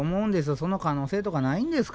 その可能性とかないんですかね。